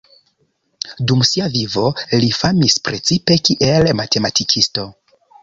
Dum sia vivo li famis precipe kiel matematikisto.